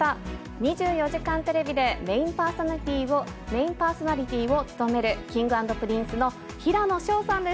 ２４時間テレビでメインパーソナリティーを務めるＫｉｎｇ＆Ｐｒｉｎｃｅの平野紫耀さんです。